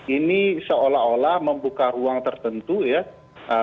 ini seolah olah membuka ruang tertentu ya